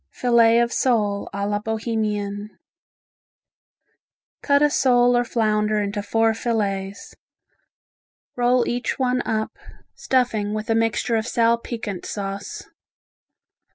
Filet of Sole a la Bohemian Cut a sole or flounder into four filets. Roll each one up, stuffing with a mixture of sal piquant sauce.